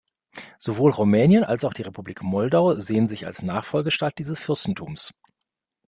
Sowohl Rumänien als auch die Republik Moldau sehen sich als Nachfolgestaat dieses Fürstentums.